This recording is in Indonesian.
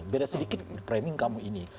beda sedikit framing kamu ini